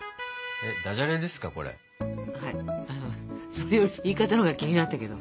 それより言い方のほうが気になったけど。